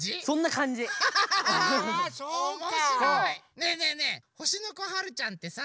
ねえねえねえほしのこはるちゃんってさ